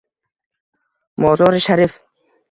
Mozori Sharif